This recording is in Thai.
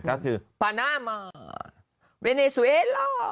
ก็คือพานามาเวเนสเวลา